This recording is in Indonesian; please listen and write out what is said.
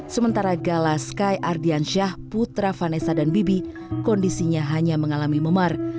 sementara gala sky ardiansyah putra vanessa dan bibi kondisinya hanya mengalami memar